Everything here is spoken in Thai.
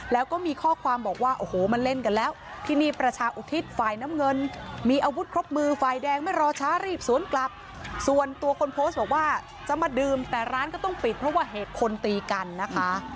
แล้วก็มีข้อความบอกว่าโอ้โหมันเล่นกันแล้วที่นี่ประชาอุทิศฝ่ายน้ำเงินมีอาวุธครบมือฝ่ายแดงไม่รอช้ารีบสวนกลับส่วนตัวคนโพสต์บอกว่าจะมาดื่มแต่ร้านก็ต้องปิดเพราะว่าเหตุคนตีกันนะคะ